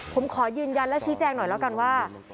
ผมขอยืนยันและชี้แจงหน่อยแล้วกันว่า